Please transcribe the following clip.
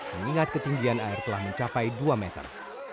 mengingat ketinggian air telah mencapai dua meter